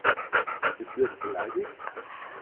Bist du jetzt beleidigt?